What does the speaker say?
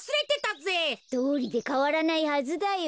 どうりでかわらないはずだよ。